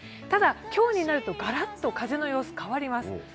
ただ、今日になるとガラッと風の様子、変わります。